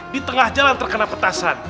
di tengah jalan terkena petasan